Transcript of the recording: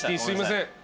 すいません